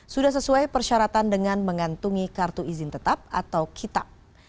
sudah sesuai persyaratan dengan mengantungi kartu izin tetap atau kitab